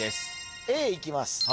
Ａいきます。